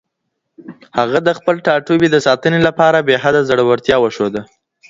هغه د خپل ټاټوبي د ساتنې لپاره بې حده زړورتیا وښوده.